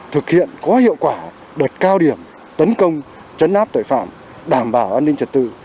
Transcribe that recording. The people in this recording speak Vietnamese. thực hiện có hiệu quả đợt cao điểm tấn công chấn áp tội phạm đảm bảo an ninh trật tự